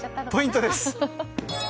ポイントです。